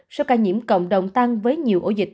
số ca nhiễm cộng đồng tăng với nhiều ổ dịch